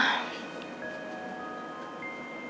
kita berdua bisa berjaya